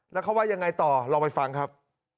แล้วเขาว่ายังไงต่อลองไปฟังครับ